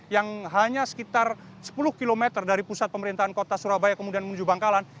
yang hanya sekitar sepuluh km dari pusat pemerintahan kota surabaya kemudian menuju bangkalan